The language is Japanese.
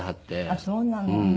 あっそうなの。